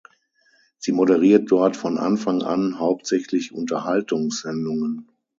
Sie moderiert dort von Anfang an hauptsächlich Unterhaltungssendungen.